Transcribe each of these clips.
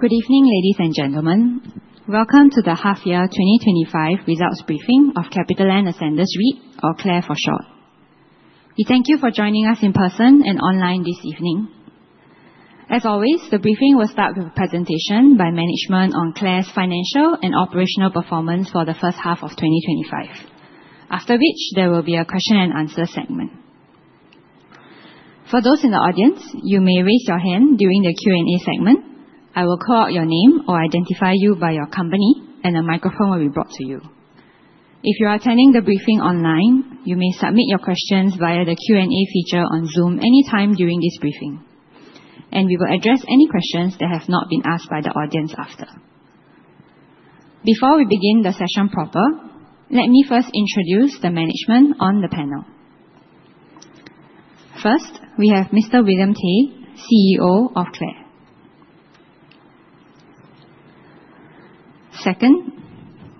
Good evening, ladies and gentlemen. Welcome to the half year 2025 results briefing of CapitaLand Ascendas REIT, or CLAR for short. We thank you for joining us in person and online this evening. As always, the briefing will start with a presentation by management on CLAR's financial and operational performance for the first half of 2025. After which, there will be a question and answer segment. For those in the audience, you may raise your hand during the Q&A segment. I will call out your name or identify you by your company, and a microphone will be brought to you. If you are attending the briefing online, you may submit your questions via the Q&A feature on Zoom anytime during this briefing, and we will address any questions that have not been asked by the audience after. Before we begin the session proper, let me first introduce the management on the panel. First, we have Mr. William Tay, CEO of CLAR. Second,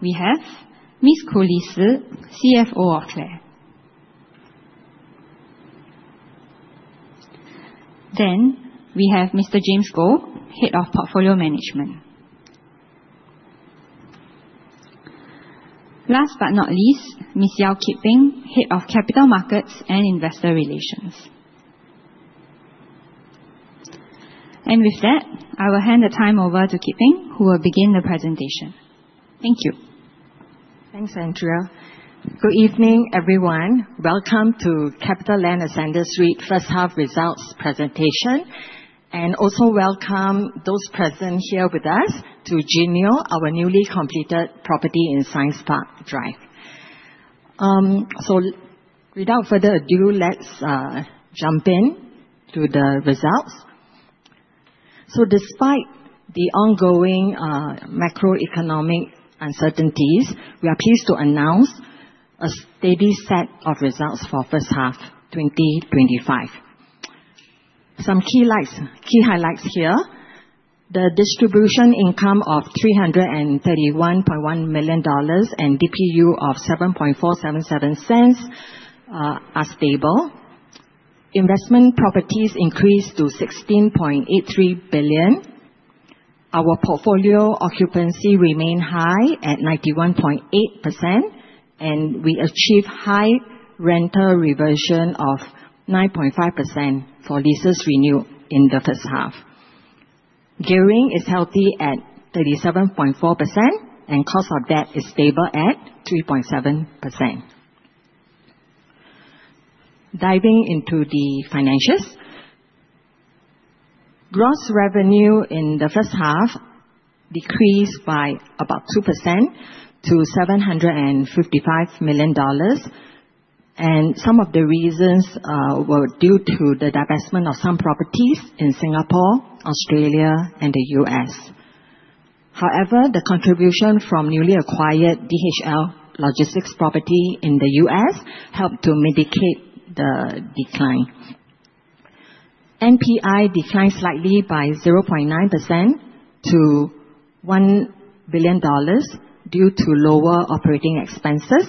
we have Ms. Koo Lee Sze, CFO of CLAR. Then we have Mr. James Goh, Head of Portfolio Management. Last but not least, Ms. Yeow Kit Peng, Head of Capital Markets and Investor Relations. With that, I will hand the time over to Kiping, who will begin the presentation. Thank you. Thanks, Andrea. Good evening, everyone. Welcome to CapitaLand Ascendas REIT first half results presentation, and also welcome those present here with us to J'NEO, our newly completed property in Science Park Drive. Without further ado, let's jump in to the results. Despite the ongoing macroeconomic uncertainties, we are pleased to announce a steady set of results for first half 2025. Some key highlights here. The distribution income of 331.1 million dollars and DPU of 0.07477 are stable. Investment properties increased to 16.83 billion. Our portfolio occupancy remained high at 91.8%, and we achieved high rental reversion of 9.5% for leases renewed in the first half. Gearing is healthy at 37.4%, and cost of debt is stable at 3.7%. Diving into the financials, gross revenue in the first half decreased by about 2% to 755 million dollars, and some of the reasons were due to the divestment of some properties in Singapore, Australia, and the U.S. However, the contribution from newly acquired DHL Logistics property in the U.S. helped to mitigate the decline. NPI declined slightly by 0.9% to 1 billion dollars due to lower operating expenses,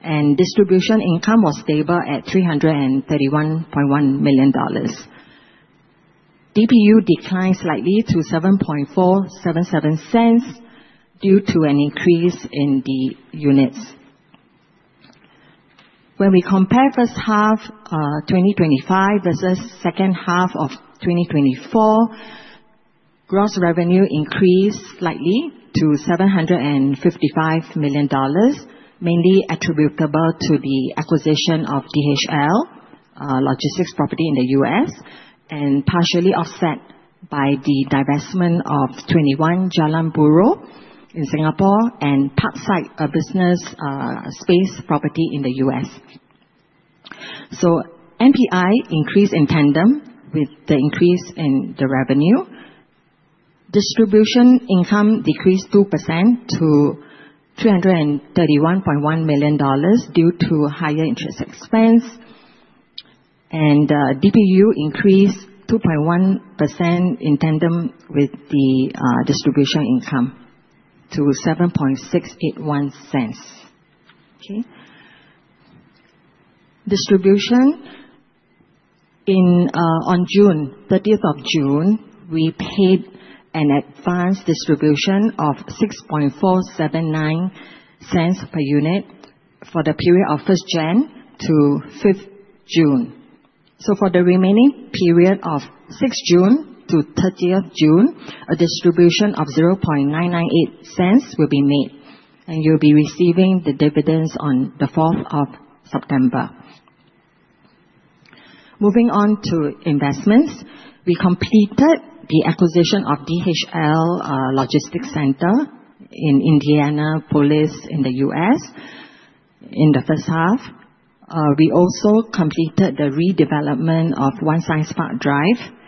and distribution income was stable at 331.1 million dollars. DPU declined slightly to 0.07477 due to an increase in the units. When we compare first half 2025 versus second half of 2024, gross revenue increased slightly to 755 million dollars, mainly attributable to the acquisition of DHL Logistics property in the U.S., and partially offset by the divestment of 21 Jalan Buroh in Singapore and Parkside, a business space property in the U.S. NPI increased in tandem with the increase in the revenue. Distribution income decreased 2% to 331.1 million dollars due to higher interest expense. DPU increased 2.1% in tandem with the distribution income to 0.07681. Okay. Distribution. On June 30, we paid an advanced distribution of SGD 0.06479 per unit for the period of January 1 to June 5. For the remaining period of June 6 to June 30, a distribution of 0.00998 will be made, and you'll be receiving the dividends on September 4. Moving on to investments. We completed the acquisition of DHL Logistics Center in Indianapolis in the U.S. in the first half. We also completed the redevelopment of 5 Science Park Drive.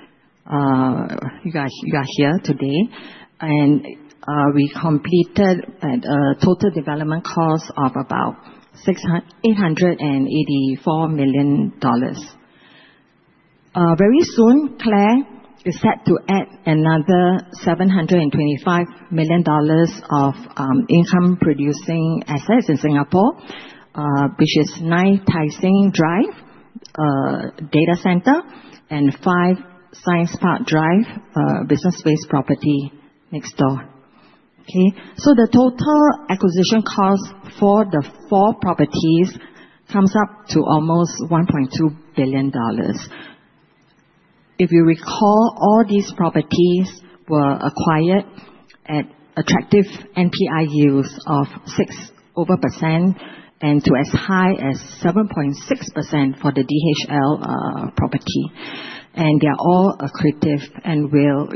You are here today. We completed at a total development cost of about 884 million dollars. Very soon, CLAR is set to add another 725 million dollars of income-producing assets in Singapore, which is 9 Tai Seng Drive data center and 5 Science Park Drive business space property next door. The total acquisition cost for the four properties comes up to almost 1.2 billion dollars. If you recall, all these properties were acquired at attractive NPI yields of six over %, and to as high as 7.6% for the DHL property. They are all accretive and will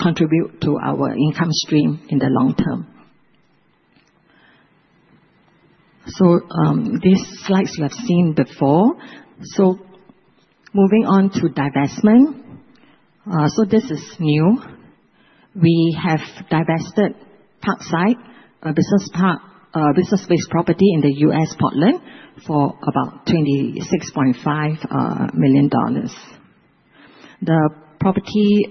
contribute to our income stream in the long term. These slides you have seen before. Moving on to divestment. This is new. We have divested Parkside, a business space property in the U.S., Portland, for about 26.5 million dollars. The property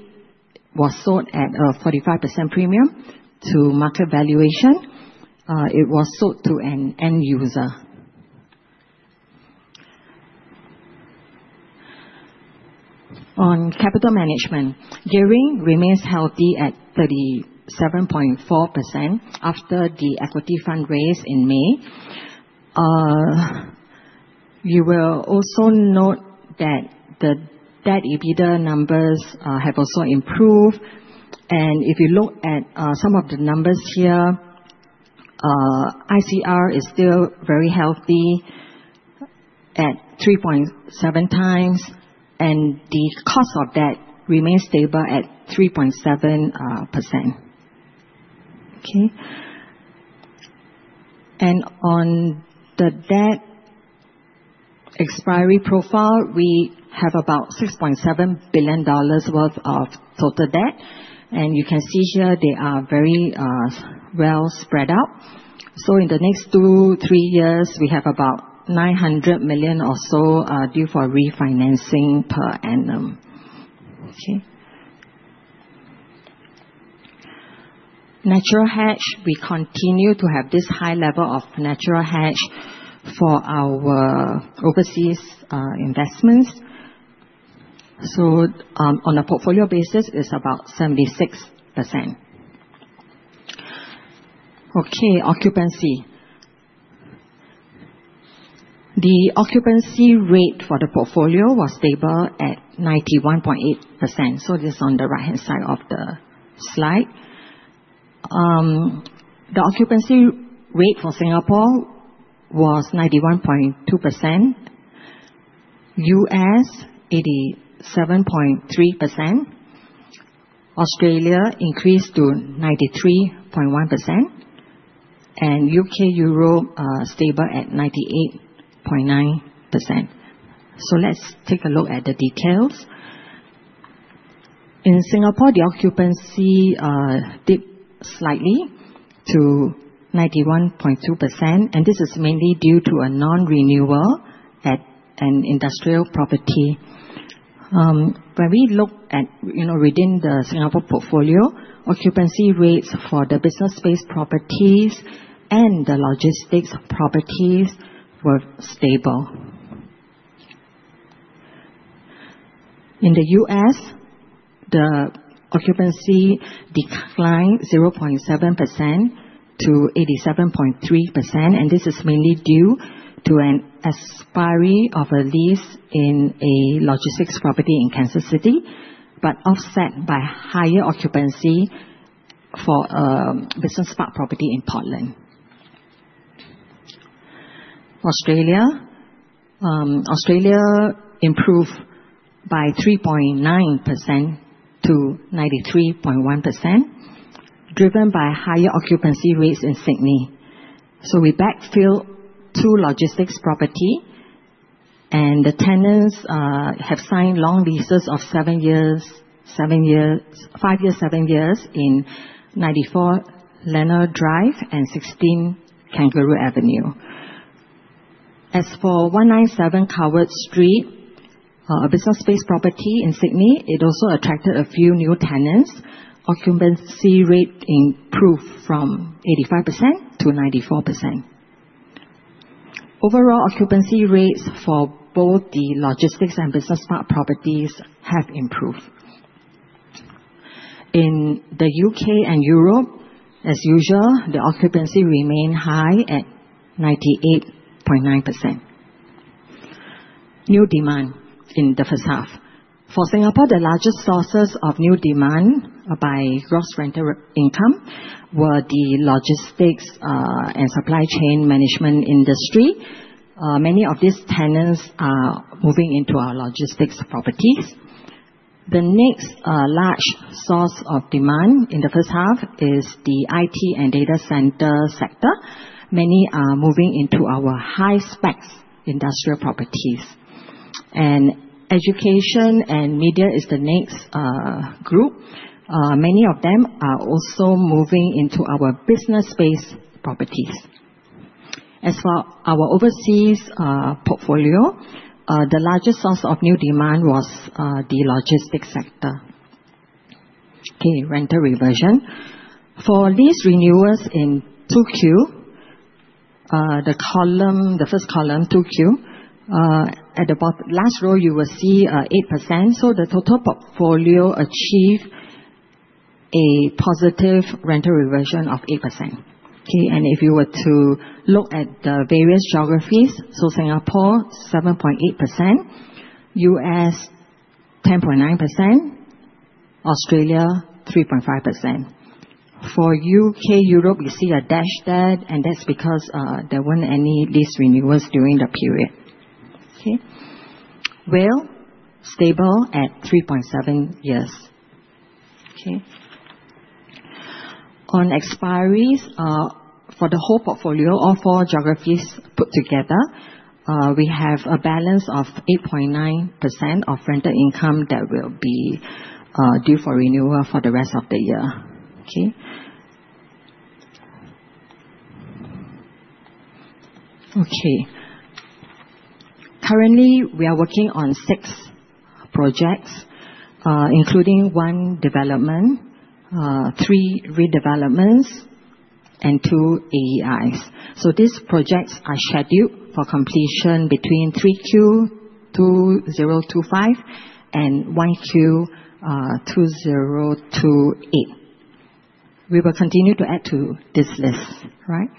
was sold at a 45% premium to market valuation. It was sold to an end user. On capital management, gearing remains healthy at 37.4% after the equity fund raise in May. You will also note that the debt EBITDA numbers have also improved, and if you look at some of the numbers here, ICR is still very healthy at 3.7 times, and the cost of debt remains stable at 3.7%. Okay. On the debt expiry profile, we have about 6.7 billion dollars worth of total debt. You can see here they are very well spread out. In the next two, three years, we have about 900 million or so due for refinancing per annum. Okay. Natural hedge, we continue to have this high level of natural hedge for our overseas investments. On a portfolio basis, it's about 76%. Okay, occupancy. The occupancy rate for the portfolio was stable at 91.8%. Just on the right-hand side of the slide. The occupancy rate for Singapore was 91.2%, U.S. 87.3%, Australia increased to 93.1%, and U.K., Europe stable at 98.9%. Let's take a look at the details. In Singapore, the occupancy dipped slightly to 91.2%, and this is mainly due to a non-renewal at an industrial property. When we look within the Singapore portfolio, occupancy rates for the business space properties and the logistics properties were stable. In the U.S., the occupancy declined 0.7% to 87.3%, and this is mainly due to an expiry of a lease in a logistics property in Kansas City, but offset by higher occupancy for a business park property in Portland. Australia improved by 3.9% to 93.1%, driven by higher occupancy rates in Sydney. We backfilled two logistics property and the tenants have signed long leases of five years, seven years in 94 Lenore Drive and 16 Kangaroo Avenue. As for 197 Coward Street, a business space property in Sydney, it also attracted a few new tenants. Occupancy rate improved from 85% to 94%. Overall occupancy rates for both the logistics and business park properties have improved. In the U.K. and Europe, as usual, the occupancy remained high at 98.9%. New demand in the first half. For Singapore, the largest sources of new demand by gross rental income were the logistics and supply chain management industry. Many of these tenants are moving into our logistics properties. The next large source of demand in the first half is the IT and data center sector. Many are moving into our high specs industrial properties. Education and media is the next group. Many of them are also moving into our business space properties. As for our overseas portfolio, the largest source of new demand was the logistics sector. Rental reversion. For lease renewals in 2Q, the first column, 2Q, at the last row, you will see 8%. The total portfolio achieved a positive rental reversion of 8%. If you were to look at the various geographies, Singapore, 7.8%, U.S., 10.9%, Australia, 3.5%. For U.K., Europe, you see a dash there, and that's because there weren't any lease renewals during the period. WALE, stable at 3.7 years. On expiries, for the whole portfolio, all four geographies put together, we have a balance of 8.9% of rental income that will be due for renewal for the rest of the year. Okay. Okay. Currently, we are working on six projects, including one development, three redevelopments, and two AEIs. These projects are scheduled for completion between 3Q, 2025, and 1Q, 2028. We will continue to add to this list. All right.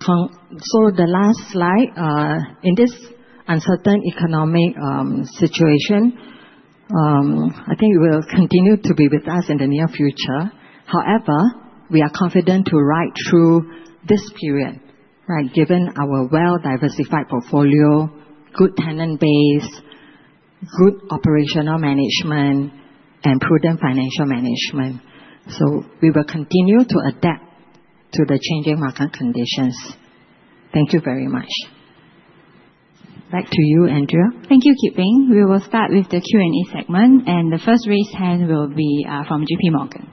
The last slide, in this uncertain economic situation, I think will continue to be with us in the near future. However, we are confident to ride through this period. Right. Given our well-diversified portfolio, good tenant base, good operational management, and prudent financial management. We will continue to adapt to the changing market conditions. Thank you very much. Back to you, Andrea. Thank you, Kit Peng. We will start with the Q&A segment, and the first raised hand will be from JPMorgan.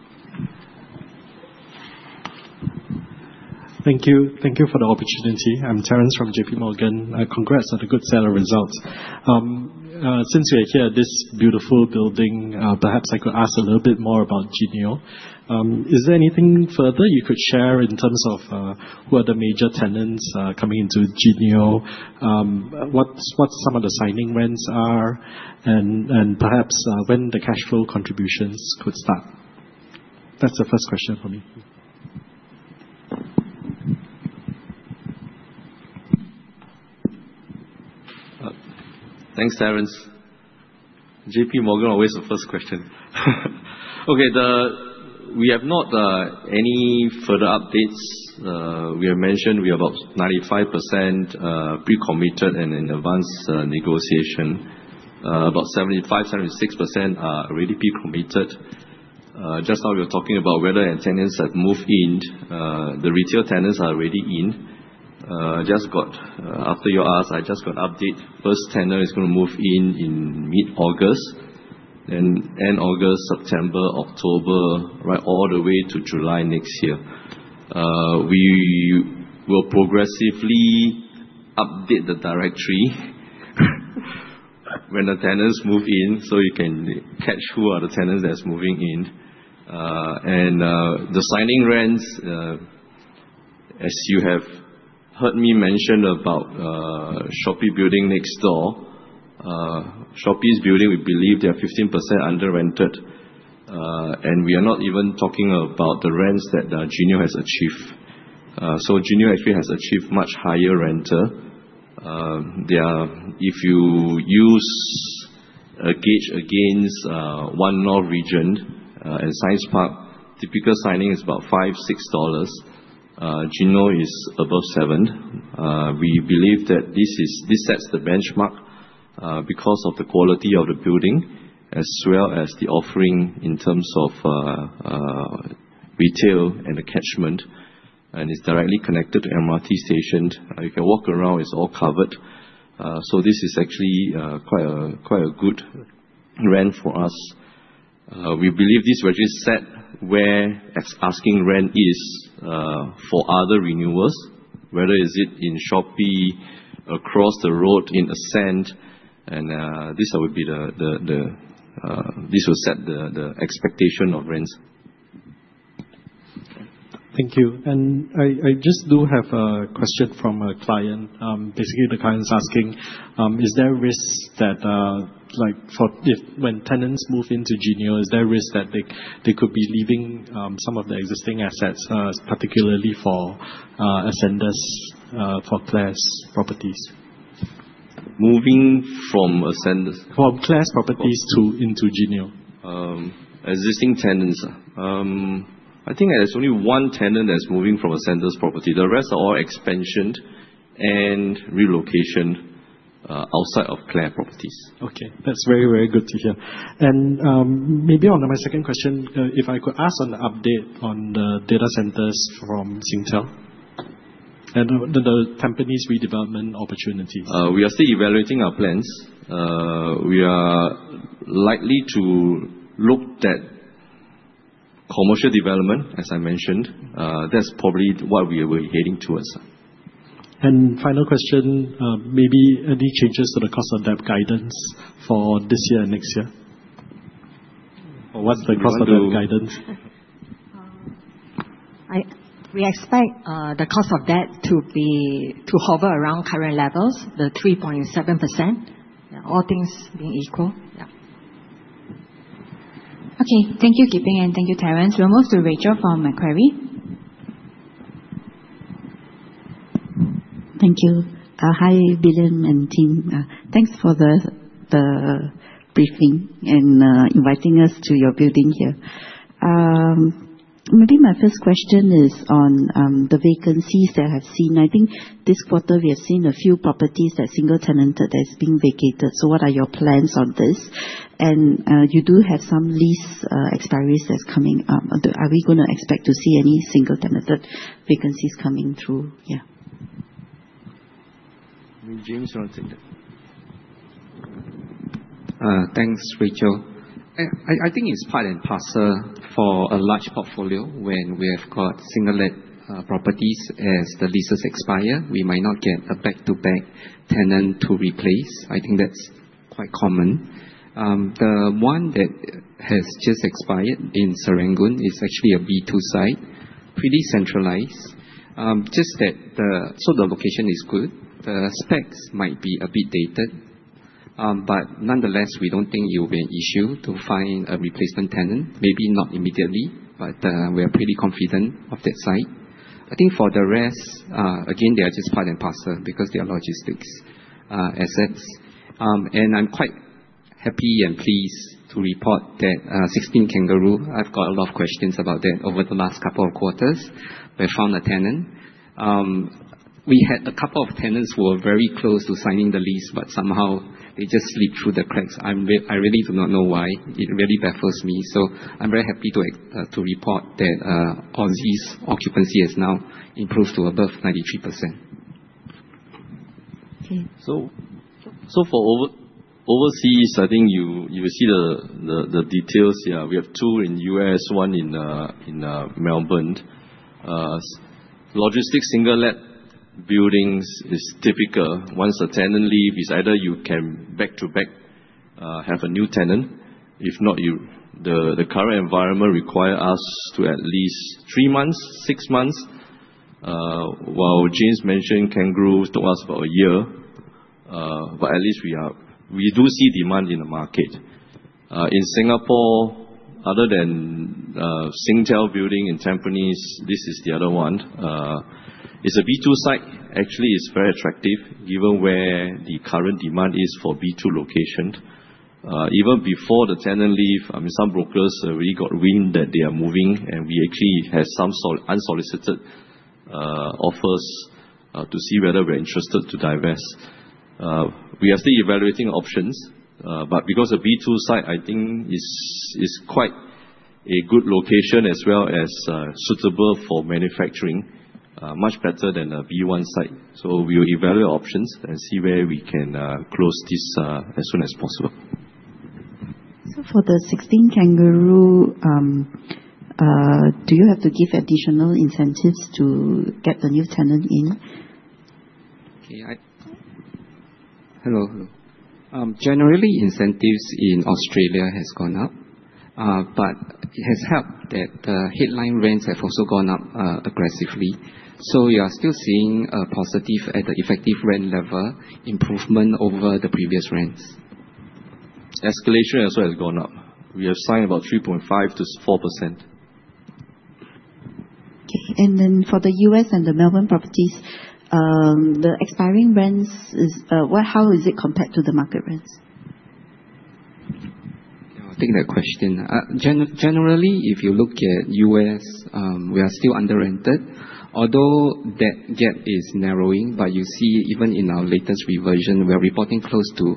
Thank you. Thank you for the opportunity. I'm Terence from JPMorgan. Congrats on the good set of results. Since we are here at this beautiful building, perhaps I could ask a little bit more about J'NEO. Is there anything further you could share in terms of who are the major tenants coming into J'NEO? What some of the signing rents are, and perhaps when the cash flow contributions could start? That's the first question from me. Thanks, Terence. JPMorgan, always the first question. We have not any further updates. We have mentioned we are about 95% pre-committed and in advance negotiation. About 75%, 76% are already pre-committed. Just now we were talking about whether any tenants have moved in. The retail tenants are already in. After you asked, I just got update, first tenant is going to move in in mid-August, end August, September, October, all the way to July next year. We will progressively update the directory when the tenants move in, so you can catch who are the tenants that's moving in. The signing rents, as you have heard me mention about Shopee building next door. Shopee's building, we believe they are 15% under-rented. We are not even talking about the rents that J'NEO has achieved. J'NEO actually has achieved much higher rental. If you gauge against one-north region, in Science Park, typical signing is about 5, 6 dollars. J'NEO is above 7. We believe that this sets the benchmark because of the quality of the building, as well as the offering in terms of retail and the catchment, and it's directly connected to MRT station. You can walk around, it's all covered. This is actually quite a good rent for us. We believe this will just set where asking rent is for other renewals, whether is it in Shopee, across the road in Ascent, this will set the expectation of rents. Thank you. I just do have a question from a client. Basically, the client's asking, is there risks that when tenants move into J'NEO, is there a risk that they could be leaving some of the existing assets, particularly for Ascendas, for CLI's properties? Moving from Ascendas. From CLI's properties into J'NEO. Existing tenants, huh? I think there's only one tenant that's moving from Ascendas property. The rest are all expansion and relocation outside of CLI properties. Okay. That's very, very good to hear. Maybe onto my second question, if I could ask on the update on the data centers from Singtel and the company's redevelopment opportunities. We are still evaluating our plans. We are likely to look at commercial development, as I mentioned, that's probably what we're heading towards. Final question, maybe any changes to the cost of debt guidance for this year and next year? What's the cost of debt guidance? We expect the cost of debt to hover around current levels, the 3.7%, all things being equal. Yeah. Okay. Thank you, Kit Peng, and thank you, Terence. We'll move to Rachel from Macquarie. Thank you. Hi, William and team. Thanks for the briefing and inviting us to your building here. Maybe my first question is on the vacancies that I have seen. I think this quarter we have seen a few properties that are single-tenanted that's been vacated. What are your plans on this? You do have some lease expiries that's coming up. Are we going to expect to see any single-tenanted vacancies coming through? Yeah. James, you want to take that? Thanks, Rachel. I think it's par and parcel for a large portfolio when we have got single-let properties. As the leases expire, we might not get a back-to-back tenant to replace. I think that's quite common. The one that has just expired in Serangoon is actually a B2 site, pretty centralized. The location is good. The specs might be a bit dated. Nonetheless, we don't think it will be an issue to find a replacement tenant. Maybe not immediately, but we are pretty confident of that site. I think for the rest, again, they are just par and parcel because they are logistics assets. I'm quite happy and pleased to report that 16 Kangaroo, I've got a lot of questions about that over the last couple of quarters. We found a tenant. We had a couple of tenants who were very close to signing the lease, somehow they just slipped through the cracks. I really do not know why. It really baffles me. I'm very happy to report that Aussie's occupancy has now improved to above 93%. Okay. For overseas, I think you will see the details. Yeah, we have two in U.S., one in Melbourne. Logistics single-let buildings is typical. Once a tenant leaves, either you can back-to-back have a new tenant. If not, the current environment require us to at least three months, six months. While James mentioned Kangaroo took us about one year, but at least we do see demand in the market. In Singapore, other than Singtel building in Tampines, this is the other one. It's a B2 site. Actually, it's very attractive given where the current demand is for B2 location. Even before the tenant leave, I mean, some brokers already got wind that they are moving, and we actually had some unsolicited offers to see whether we're interested to divest. We are still evaluating options. Because a B2 site, I think is quite a good location as well as suitable for manufacturing. Much better than a B1 site. We will evaluate options and see where we can close this as soon as possible. For the 16 Kangaroo, do you have to give additional incentives to get the new tenant in? Okay. Hello. Generally, incentives in Australia has gone up, it has helped that the headline rents have also gone up aggressively. We are still seeing a positive at the effective rent level improvement over the previous rents. Escalation also has gone up. We have signed about 3.5%-4%. Okay. For the U.S. and the Melbourne properties, the expiring rents, how is it compared to the market rents? Yeah, I'll take that question. Generally, if you look at U.S., we are still under-rented, although that gap is narrowing. You see even in our latest revision, we are reporting close to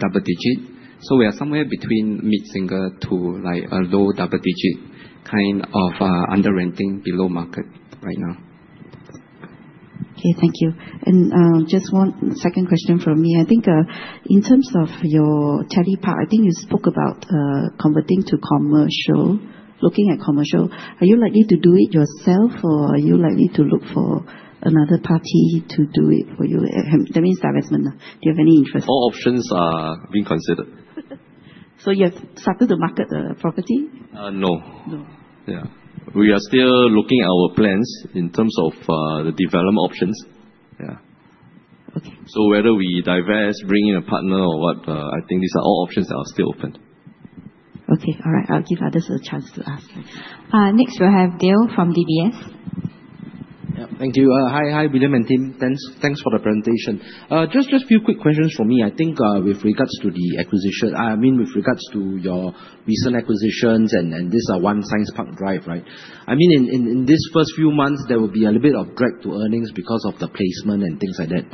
double digit. We are somewhere between mid-single to a low double digit kind of under-renting below market right now. Okay, thank you. Just one second question from me. I think, in terms of your telco part, I think you spoke about converting to commercial, looking at commercial. Are you likely to do it yourself, or are you likely to look for another party to do it for you? That means divestment. Do you have any interest? All options are being considered. You have started to market the property? No. No. Yeah. We are still looking at our plans in terms of the development options. Yeah. Okay. Whether we divest, bring in a partner or what, I think these are all options that are still open. Okay. All right. I'll give others a chance to ask. Next we'll have Dale from DBS. Yeah. Thank you. Hi, William and team. Thanks for the presentation. Just few quick questions from me. I think, with regards to the acquisition, I mean, with regards to your recent acquisitions and this 5 Science Park Drive, right? I mean, in this first few months, there will be a little bit of drag to earnings because of the placement and things like that.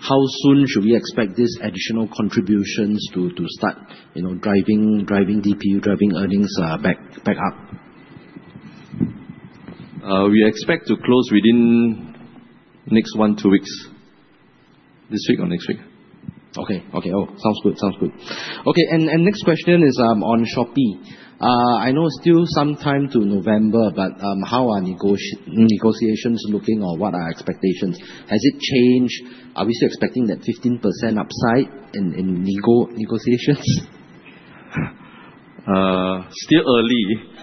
How soon should we expect these additional contributions to start driving DPU, driving earnings back up? We expect to close within next one, two weeks. This week or next week? Okay. Sounds good. Okay, next question is on Shopee. I know it is still some time to November, but, how are negotiations looking or what are expectations? Has it changed? Are we still expecting that 15% upside in negotiations? Still early.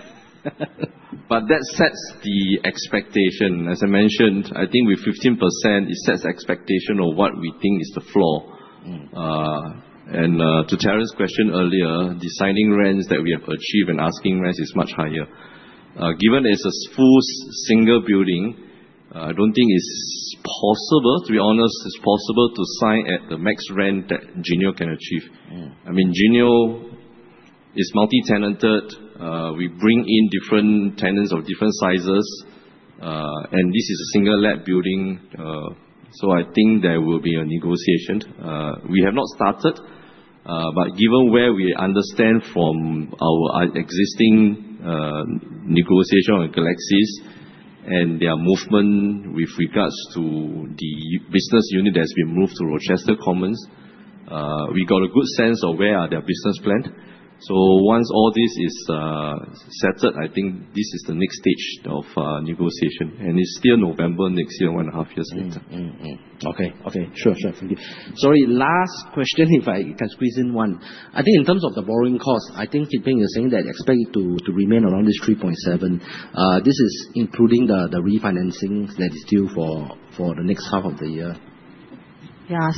That sets the expectation. As I mentioned, I think with 15%, it sets the expectation of what we think is the floor. To Terence's question earlier, the signing rents that we have achieved and asking rents is much higher. Given it is a full single building, I do not think it is possible, to be honest, it is possible to sign at the max rent that J'NEO can achieve. J'NEO is multi-tenanted. We bring in different tenants of different sizes, and this is a single let building. I think there will be a negotiation. We have not started, but given where we understand from our existing negotiation with Galaxis and their movement with regards to the business unit that has been moved to Rochester Commons, we got a good sense of where are their business planned. Once all this is settled, I think this is the next stage of negotiation, and it is still November next year, one and a half years later. Mm. Okay. Sure. Sorry, last question, if I can squeeze in one. I think in terms of the borrowing cost, I think Kit Peng is saying that you expect it to remain around this 3.7. This is including the refinancing that is due for the next half of the year. Yeah,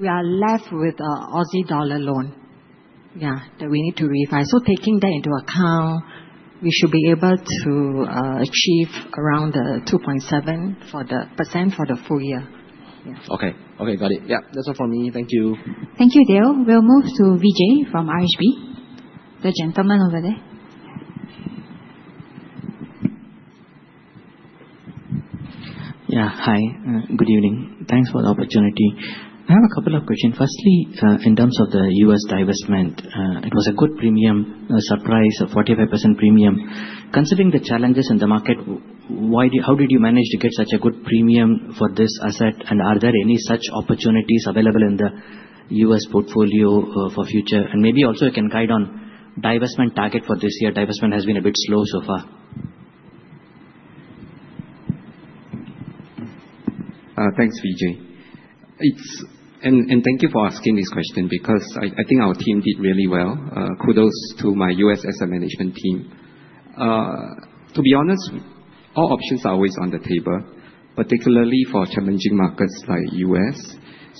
we are left with a AUD loan. Yeah, that we need to refi. Taking that into account, we should be able to achieve around the 2.7% for the full year. Yes. Okay. Got it. Yep, that's all from me. Thank you. Thank you, Dale. We'll move to Vijay from RHB. The gentleman over there. Yeah. Hi, good evening. Thanks for the opportunity. I have a couple of questions. Firstly, in terms of the U.S. divestment, it was a good premium, a surprise of 45% premium. Considering the challenges in the market, how did you manage to get such a good premium for this asset, and are there any such opportunities available in the U.S. portfolio for future? Maybe you also can guide on divestment target for this year. Divestment has been a bit slow so far. Thanks, Vijay. Thank you for asking this question because I think our team did really well. Kudos to my U.S. asset management team. To be honest, all options are always on the table, particularly for challenging markets like U.S.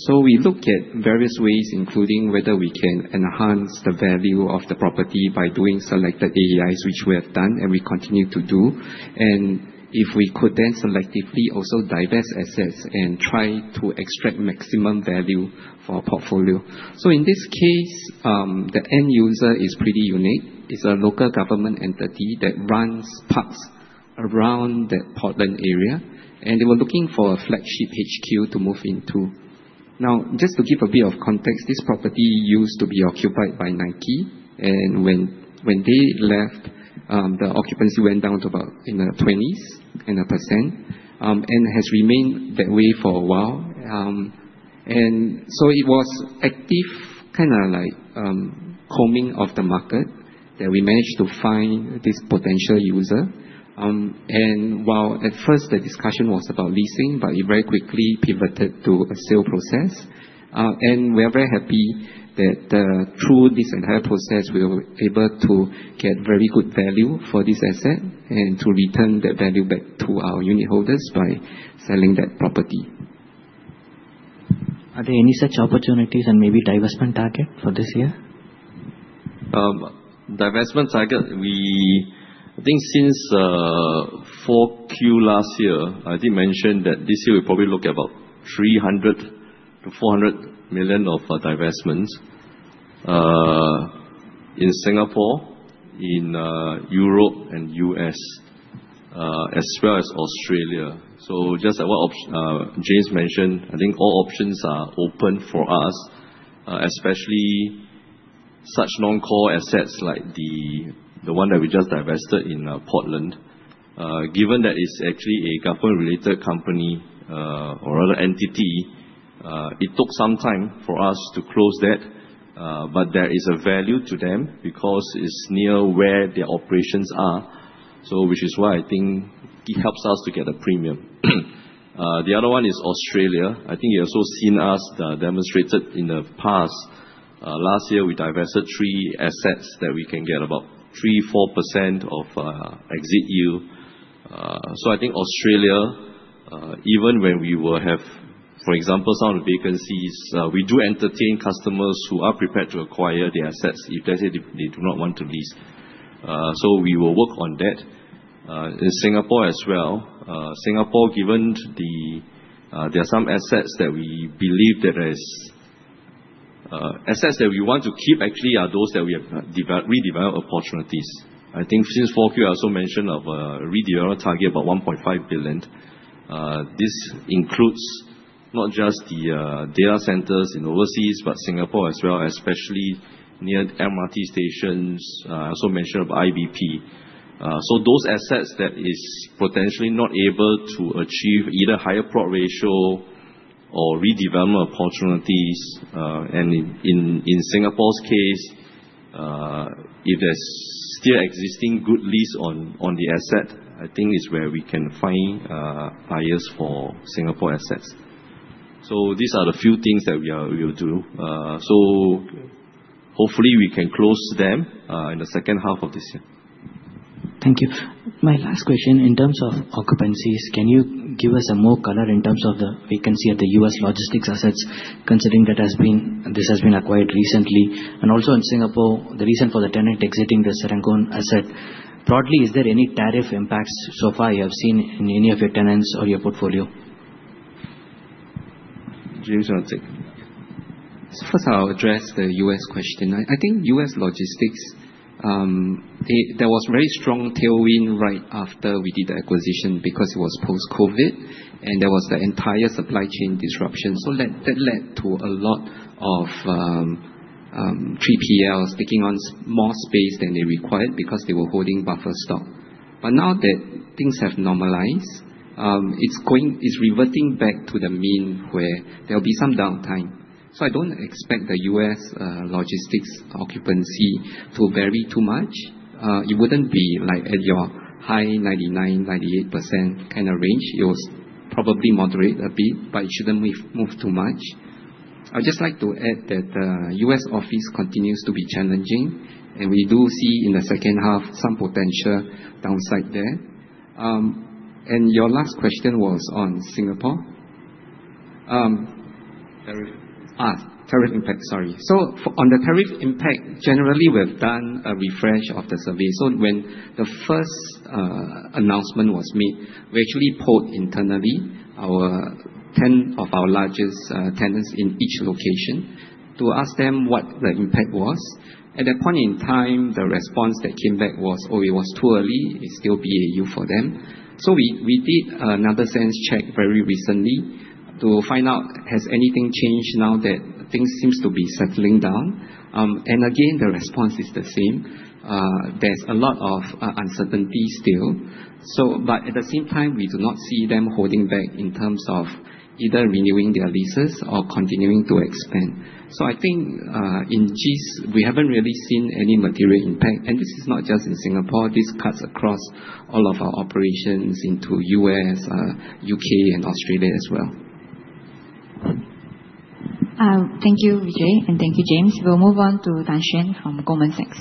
We look at various ways, including whether we can enhance the value of the property by doing selected AEIs, which we have done and we continue to do. If we could then selectively also divest assets and try to extract maximum value for our portfolio. In this case, the end user is pretty unique. It's a local government entity that runs parks around the Portland area, and they were looking for a flagship HQ to move into. Now, just to give a bit of context, this property used to be occupied by Nike, and when they left, the occupancy went down to about in the 20s, in a percent, and has remained that way for a while. It was active, kinda like combing of the market that we managed to find this potential user. While at first the discussion was about leasing, but it very quickly pivoted to a sale process. We are very happy that through this entire process, we were able to get very good value for this asset and to return that value back to our unit holders by selling that property. Are there any such opportunities and maybe divestment target for this year? Divestment target, I think since 4Q last year, I did mention that this year we probably look at about 300 million to 400 million of divestments, in Singapore, in Europe and U.S., as well as Australia. Just what James mentioned, I think all options are open for us, especially such non-core assets like the one that we just divested in Portland. Given that it's actually a government-related company or other entity, it took some time for us to close that, but there is a value to them because it's near where their operations are. Which is why I think it helps us to get a premium. The other one is Australia. I think you have also seen us demonstrated in the past. Last year, we divested three assets that we can get about 3%-4% of exit yield. I think Australia, even when we will have, for example, some vacancies, we do entertain customers who are prepared to acquire the assets if they say they do not want to lease. We will work on that. In Singapore as well. Singapore, given there are some assets that we believe that is Assets that we want to keep actually are those that we have redevelop opportunities. I think since 4Q, I also mentioned of a redevelop target, about 1.5 billion. This includes not just the data centers in overseas, but Singapore as well, especially near MRT stations, also mentioned by IBP. Those assets that is potentially not able to achieve either higher plot ratio or redevelopment opportunities. And in Singapore's case, if there's still existing good lease on the asset, I think is where we can find buyers for Singapore assets. These are the few things that we are able to. Hopefully we can close them in the second half of this year. Thank you. My last question, in terms of occupancies, can you give us more color in terms of the vacancy at the U.S. logistics assets, considering this has been acquired recently? Also in Singapore, the reason for the tenant exiting the Serangoon asset. Broadly, is there any tariff impacts so far you have seen in any of your tenants or your portfolio? James, you want to take it? First, I'll address the U.S. question. I think U.S. logistics, there was very strong tailwind right after we did the acquisition because it was post-COVID, and there was the entire supply chain disruption. That led to a lot of 3PLs taking on more space than they required because they were holding buffer stock. Now that things have normalized, it's reverting back to the mean, where there'll be some downtime. I don't expect the U.S. logistics occupancy to vary too much. It wouldn't be at your high 99%, 98% kind of range. It will probably moderate a bit, but it shouldn't move too much. I'd just like to add that U.S. office continues to be challenging, and we do see in the second half some potential downside there. Your last question was on Singapore? Tariff. Tariff impact, sorry. On the tariff impact, generally, we've done a refresh of the survey. When the first announcement was made, we actually polled internally our 10 of our largest tenants in each location to ask them what the impact was. At that point in time, the response that came back was, "Oh, it was too early." It's still BAU for them. We did another sense check very recently to find out has anything changed now that things seem to be settling down. Again, the response is the same. There's a lot of uncertainty still. At the same time, we do not see them holding back in terms of either renewing their leases or continuing to expand. I think in geos, we haven't really seen any material impact, and this is not just in Singapore. This cuts across all of our operations into U.S., U.K., and Australia as well. Thank you, Vijay, and thank you, James. We'll move on to Tan Shen from Goldman Sachs.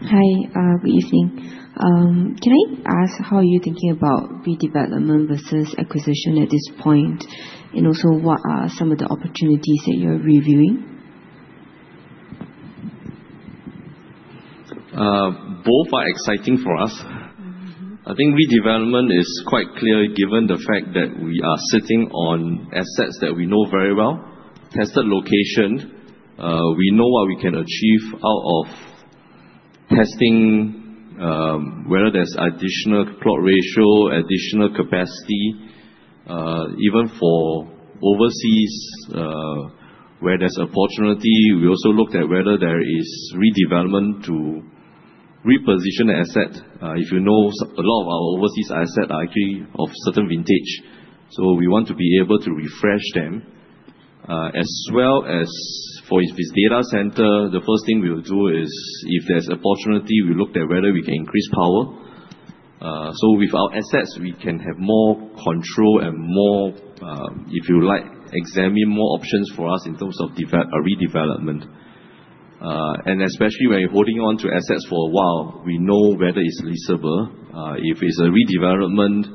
Hi, good evening. Can I ask how you're thinking about redevelopment versus acquisition at this point, and also what are some of the opportunities that you're reviewing? Both are exciting for us. I think redevelopment is quite clear given the fact that we are sitting on assets that we know very well. Tested location, we know what we can achieve out of testing, whether there's additional plot ratio, additional capacity. Even for overseas, where there's opportunity, we also looked at whether there is redevelopment to reposition the asset. If you know, a lot of our overseas assets are actually of certain vintage. We want to be able to refresh them, as well as for this data center, the first thing we will do is if there's opportunity, we look at whether we can increase power. With our assets, we can have more control and more, if you like, examine more options for us in terms of redevelopment. Especially when you're holding on to assets for a while, we know whether it's leasable. If it's a redevelopment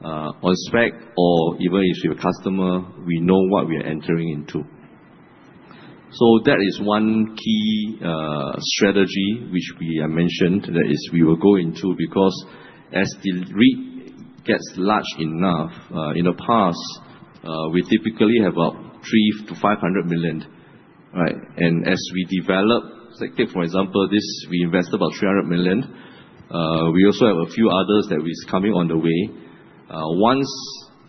on spec or even if you're a customer, we know what we are entering into. That is one key strategy which we mentioned that we will go into because as the REIT gets large enough. In the past, we typically have about 300 million-500 million, right? As we develop, like take for example, this, we invest about 300 million. We also have a few others that is coming on the way. Once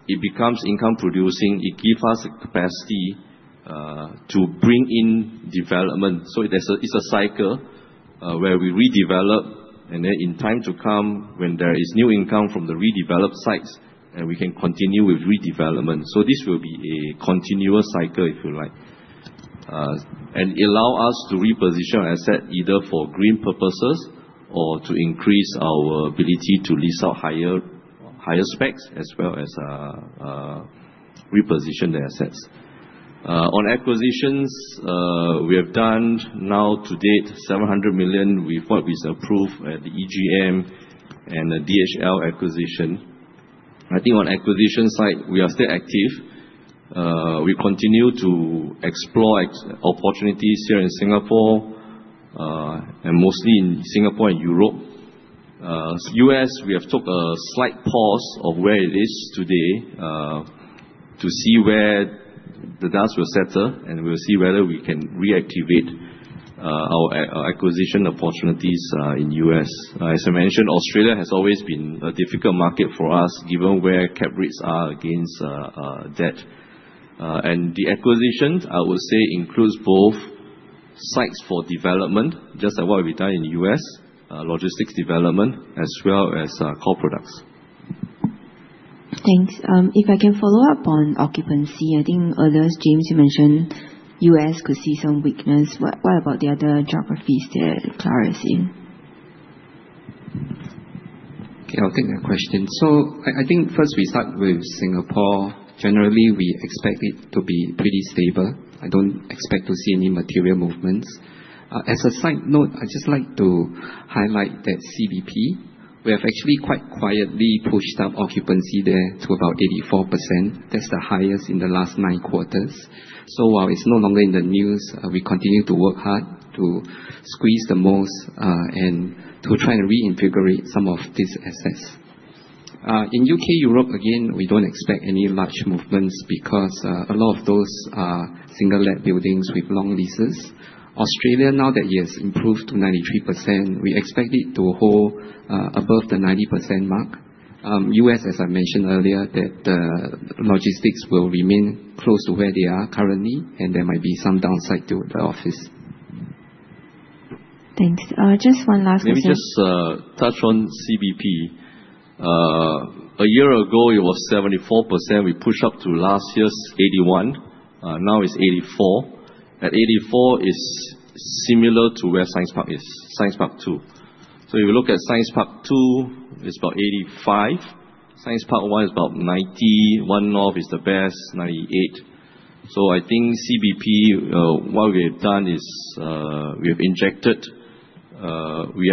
it becomes income producing, it gives us the capacity to bring in development. It's a cycle where we redevelop and then in time to come, when there is new income from the redeveloped sites, then we can continue with redevelopment. This will be a continuous cycle, if you like. Allow us to reposition our asset either for green purposes or to increase our ability to lease out higher specs as well as reposition the assets. On acquisitions, we have done now to date 700 million with what is approved at the EGM and the DHL acquisition. On acquisition side, we are still active. We continue to explore opportunities here in Singapore, and mostly in Singapore and Europe. U.S., we have took a slight pause of where it is today to see where the dust will settle, and we'll see whether we can reactivate our acquisition opportunities in the U.S. As I mentioned, Australia has always been a difficult market for us, given where cap rates are against debt. The acquisitions, I would say, includes both sites for development, just like what we've done in the U.S., logistics development, as well as core products. Thanks. If I can follow up on occupancy, earlier, James, you mentioned the U.S. could see some weakness. What about the other geographies that CLAR is in? Okay, I'll take that question. First we start with Singapore. Generally, we expect it to be pretty stable. I don't expect to see any material movements. As a side note, I'd just like to highlight that CBP, we have actually quite quietly pushed up occupancy there to about 84%. That's the highest in the last nine quarters. While it's no longer in the news, we continue to work hard to squeeze the most and to try and reinvigorate some of these assets. In U.K., Europe, again, we don't expect any large movements because a lot of those are single-let buildings with long leases. Australia, now that it has improved to 93%, we expect it to hold above the 90% mark. U.S., as I mentioned earlier, that the logistics will remain close to where they are currently, and there might be some downside to the office. Thanks. Just one last question? Let me just touch on CBP. A year ago, it was 74%. We pushed up to last year's 81. Now it's 84. At 84, it's similar to where Science Park is, Science Park II. If you look at Science Park II, it's about 85. Science Park I is about 90. one-north is the best, 98. I think CBP, what we have done is we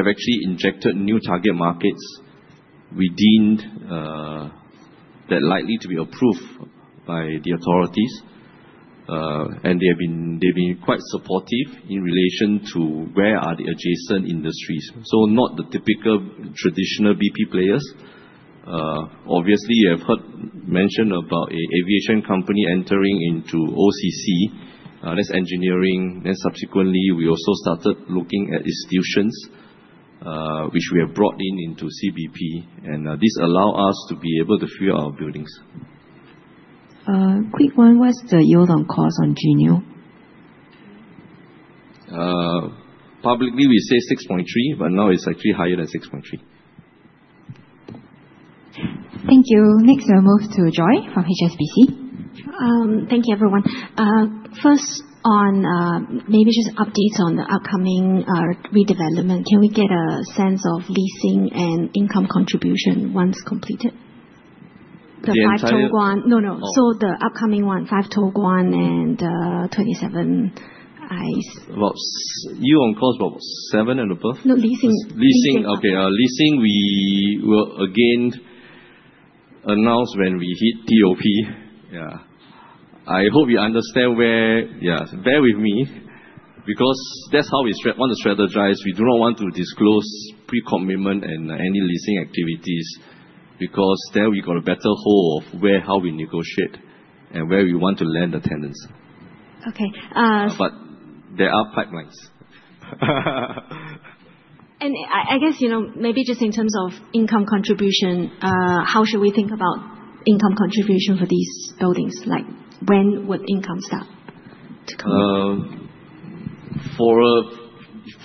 have actually injected new target markets we deemed that likely to be approved by the authorities, and they've been quite supportive in relation to where are the adjacent industries. Not the typical traditional BP players. Obviously, you have heard mention about an aviation company entering into OCC. That's engineering. Subsequently, we also started looking at institutions, which we have brought in into CBP. This allow us to be able to fill our buildings. A quick one. What's the yield on cost on J'NEO? Publicly, we say 6.3, but now it's actually higher than 6.3. Thank you. Next, I'll move to Joy from HSBC. Thank you, everyone. First on maybe just updates on the upcoming redevelopment. Can we get a sense of leasing and income contribution once completed? The entire- The 5 Tuas Avenue 5. No, no. The upcoming one, 5 Tuas Avenue 5 and 27 IBP. About yield on cost, about seven and above? No, leasing. Leasing. Okay. Leasing, we will again announce when we hit TOP. Yeah. I hope you understand bear with me because that's how we want to strategize. We do not want to disclose pre-commitment and any leasing activities because there we got a better hold of where, how we negotiate, and where we want to land the tenants. Okay. There are pipelines. I guess maybe just in terms of income contribution, how should we think about income contribution for these buildings? Like when would income start to come in? For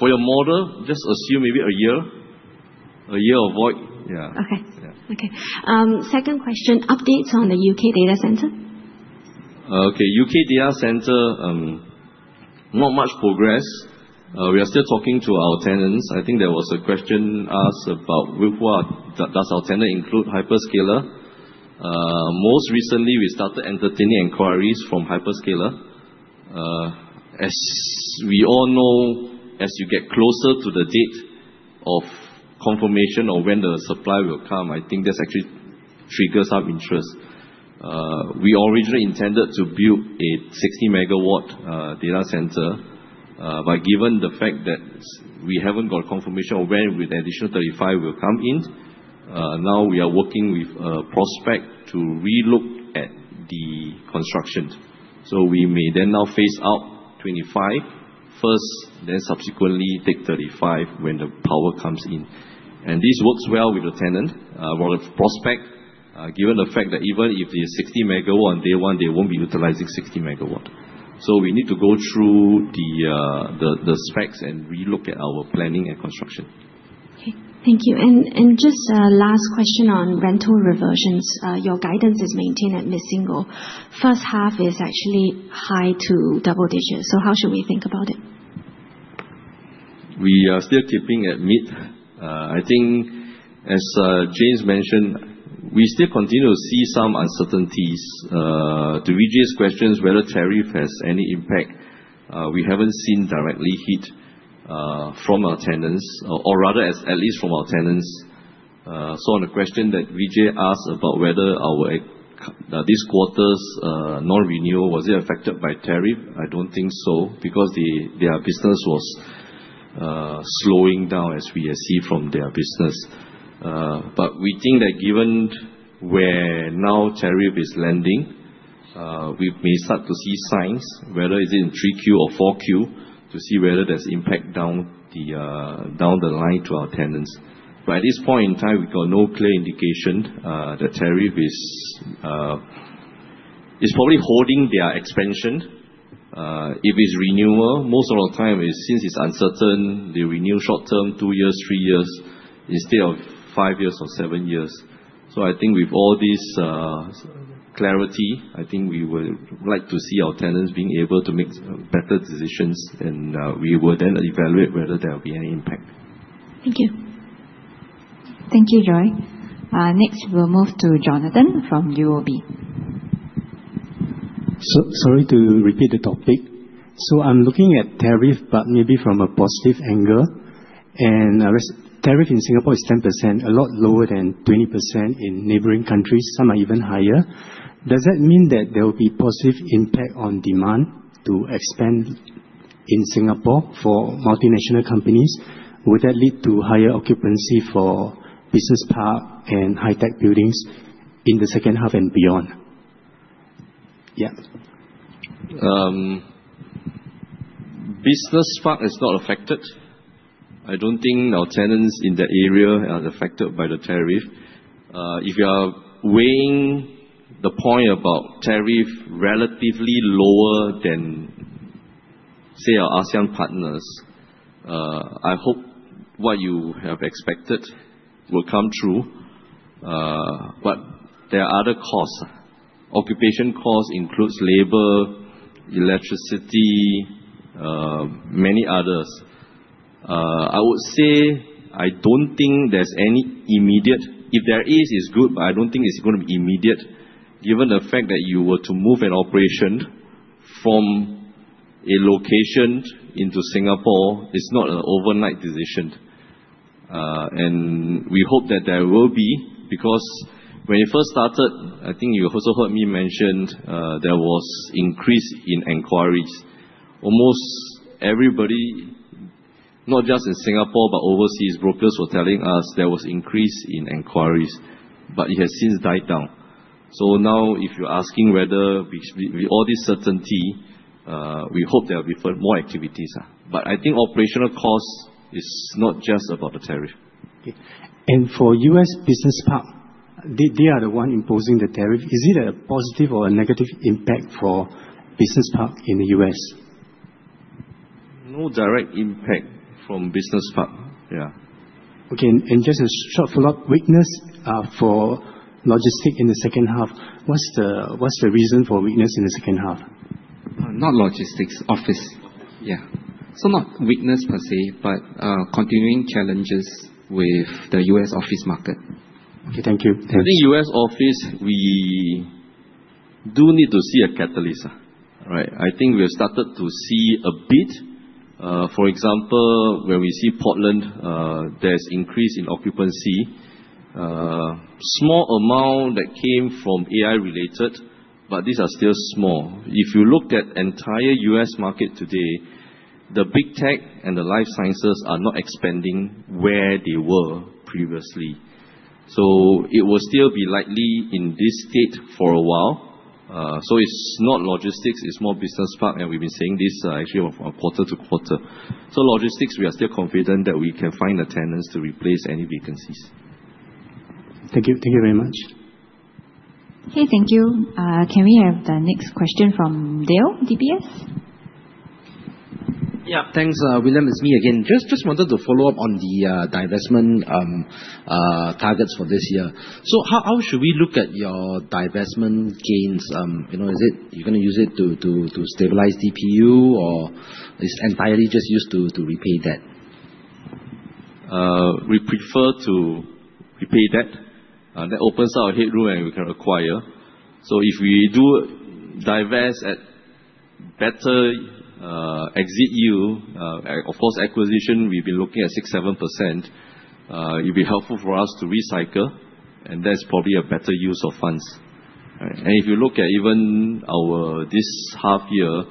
your model, just assume maybe a year. A year of void. Yeah. Okay. Yeah. Okay. Second question, updates on the U.K. data center? U.K. data center, not much progress. We are still talking to our tenants. I think there was a question asked about Does our tenant include hyperscaler? Most recently, we started entertaining inquiries from hyperscaler. As we all know, as you get closer to the date of confirmation of when the supply will come, I think that's actually triggers some interest. We originally intended to build a 60 MW data center. Given the fact that we haven't got confirmation of when with the additional 35 MW will come in, now we are working with a prospect to relook at the construction. We may then now phase out 25 MW first, then subsequently take 35 MW when the power comes in. This works well with the tenant, well, the prospect, given the fact that even if the 60 MW on day one, they won't be utilizing 60 MW. We need to go through the specs and relook at our planning and construction. Okay. Thank you. Just a last question on rental reversions. Your guidance is maintained at mid-single. First half is actually high to double digits. How should we think about it? We are still tipping at mid. I think as James mentioned, we still continue to see some uncertainties. To Vijay's questions, whether tariff has any impact, we haven't seen directly hit from our tenants or rather as at least from our tenants. On the question that Vijay asked about whether this quarter's non-renewal, was it affected by tariff? I don't think so because their business was slowing down as we see from their business. We think that given where now tariff is landing, we may start to see signs, whether it is in 3Q or 4Q, to see whether there's impact down the line to our tenants. At this point in time, we got no clear indication. The tariff is probably holding their expansion. If it's renewal, most of the time, since it's uncertain, they renew short-term, two years, three years, instead of five years or seven years. I think with all this clarity, I think we would like to see our tenants being able to make better decisions, and we would then evaluate whether there will be any impact. Thank you. Thank you, Joy. We'll move to Jonathan from UOB. Sorry to repeat the topic. I'm looking at tariff, but maybe from a positive angle. I read tariff in Singapore is 10%, a lot lower than 20% in neighboring countries. Some are even higher. Does that mean that there will be positive impact on demand to expand in Singapore for multinational companies? Would that lead to higher occupancy for Business Park and high-tech buildings in the second half and beyond? Yeah. Business Park is not affected. I don't think our tenants in that area are affected by the tariff. If you are weighing the point about tariff relatively lower than, say, our ASEAN partners, I hope what you have expected will come true. There are other costs. Occupation costs includes labor, electricity, many others. I would say, I don't think there's any immediate. If there is, it's good, but I don't think it's going to be immediate, given the fact that you were to move an operation from a location into Singapore, it's not an overnight decision. We hope that there will be, because when it first started, I think you also heard me mention there was increase in inquiries. Almost everybody, not just in Singapore, but overseas brokers were telling us there was increase in inquiries. It has since died down. Now, if you're asking whether with all this certainty, we hope there will be more activities. I think operational cost is not just about the tariff. Okay. For U.S. Business Park, they are the one imposing the tariff. Is it a positive or a negative impact for Business Park in the U.S.? No direct impact from Business Park. Yeah. Okay. Just a short follow-up. Weakness for logistics in the second half. What's the reason for weakness in the second half? Not logistics. Office. Yeah. Not weakness per se, but continuing challenges with the U.S. office market. Okay, thank you. I think U.S. office, we do need to see a catalyst. I think we have started to see a bit. For example, where we see Portland, there's increase in occupancy. A small amount that came from AI-related, but these are still small. If you look at entire U.S. market today, the big tech and the life sciences are not expanding where they were previously. It will still be likely in this state for a while. It's not logistics, it's more Business Park, and we've been saying this actually from quarter to quarter. Logistics, we are still confident that we can find the tenants to replace any vacancies. Thank you. Thank you very much. Okay, thank you. Can we have the next question from Dale, DBS? Yeah. Thanks, William. It's me again. Just wanted to follow up on the divestment targets for this year. How should we look at your divestment gains? Is it you're going to use it to stabilize DPU? It's entirely just used to repay debt? We prefer to repay debt. That opens our headroom, and we can acquire. If we do divest at better exit yield, of course, acquisition, we've been looking at 6%, 7%. It'll be helpful for us to recycle, and that's probably a better use of funds. If you look at even this half year,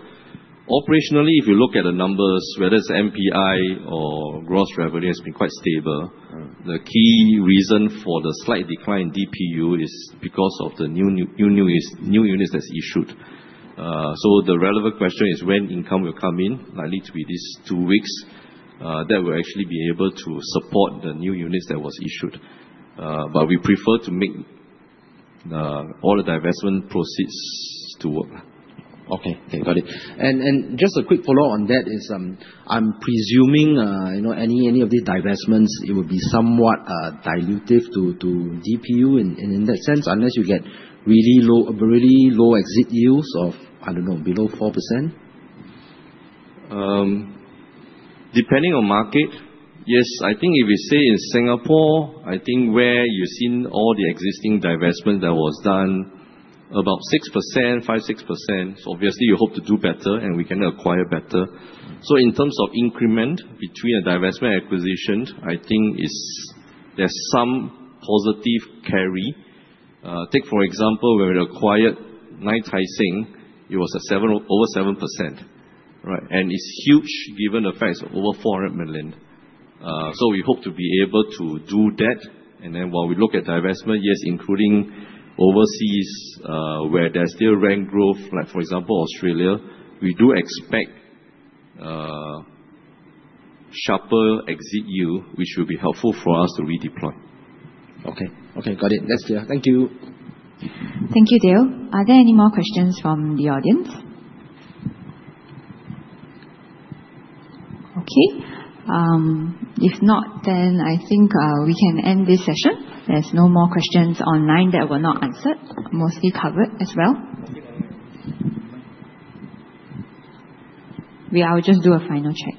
operationally, if you look at the numbers, whether it's NPI or gross revenue, it's been quite stable. The key reason for the slight decline in DPU is because of the new units that's issued. The relevant question is when income will come in. Likely to be these two weeks. That will actually be able to support the new units that was issued. We prefer to make all the divestment proceeds. Okay. Got it. Just a quick follow on that is, I'm presuming any of the divestments, it would be somewhat dilutive to DPU in that sense, unless you get really low exit yields of, I don't know, below 4%? Depending on market, yes. I think if you say in Singapore, I think where you've seen all the existing divestment that was done, about 5%-6%. Obviously, you hope to do better, and we can acquire better. In terms of increment between a divestment acquisition, I think there's some positive carry. Take, for example, where we acquired, it was over 7%. It is huge given the fact it is over 400 million. We hope to be able to do that. While we look at divestment, yes, including overseas, where there's still rent growth, like for example, Australia, we do expect sharper exit yield, which will be helpful for us to redeploy. Okay. Got it. That is clear. Thank you. Thank you, Dale. Are there any more questions from the audience? Okay. If not, I think we can end this session. There is no more questions online that were not answered, mostly covered as well. Yeah, I will just do a final check.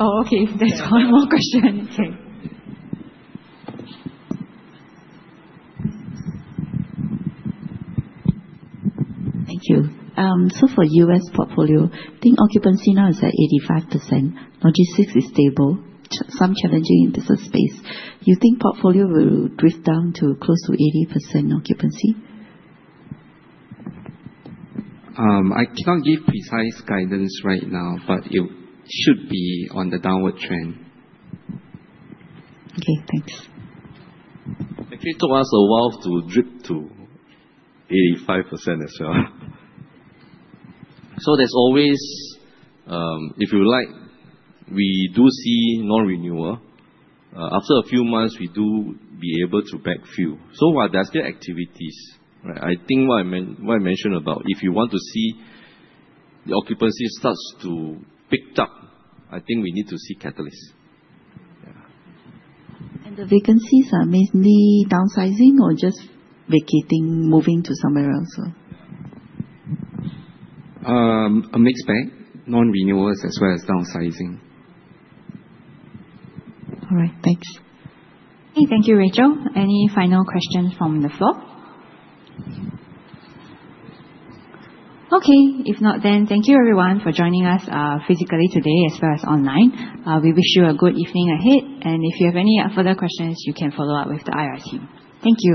Oh, okay. There is one more question. Thank you. For U.S. portfolio, I think occupancy now is at 85%. Logistics is stable, some challenging in business space. You think portfolio will drift down to close to 80% occupancy? I cannot give precise guidance right now, it should be on the downward trend. Okay, thanks. It took us a while to drip to 85% as well. There's always, if you like, we do see non-renewal. After a few months, we do be able to backfill. While there are still activities, I think what I mentioned about if you want to see the occupancy starts to pick up, I think we need to see catalysts. Yeah. The vacancies are mainly downsizing or just vacating, moving to somewhere else? A mixed bag. Non-renewals as well as downsizing. All right. Thanks. Okay. Thank you, Rachel. Any final questions from the floor? Okay. If not, thank you everyone for joining us physically today as well as online. We wish you a good evening ahead. If you have any further questions, you can follow up with the IRC. Thank you.